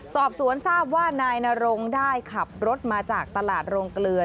สอบสวนทราบว่านายนรงได้ขับรถมาจากตลาดโรงเกลือ